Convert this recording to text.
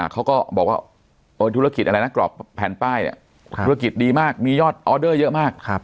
เขาก็บอกว่าธุรกิจอะไรนะกรอบแผ่นป้ายเนี่ยธุรกิจดีมากมียอดออเดอร์เยอะมาก